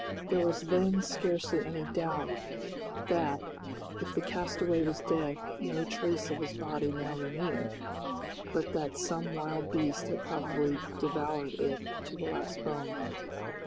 There was then scarcely any doubt that, if the castaway was dead, no trace of his body now remained, but that some wild beast had probably devoured it to the last bone.